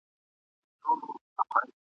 زما پر کهاله لویه سې ملاله مېړنۍ ..